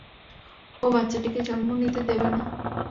ও বাচ্চাটাকে জন্ম নিতে দেবে না!